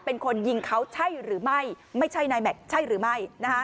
เป็นคนยิงเขาใช่หรือไม่ไม่ใช่นายแม็กซ์ใช่หรือไม่